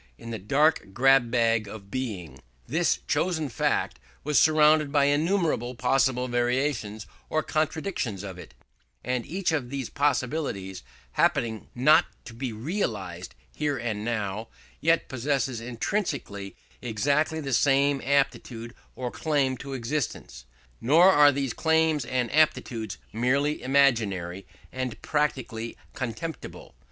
In the dark grab bag of Being, this chosen fact was surrounded by innumerable possible variations or contradictions of it; and each of those possibilities, happening not to be realised here and now, yet possesses intrinsically exactly the same aptitude or claim to existence. Nor are these claims and aptitudes merely imaginary and practically contemptible.